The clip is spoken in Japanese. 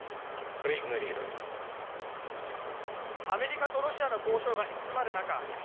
アメリカとロシアの交渉が行き詰まる中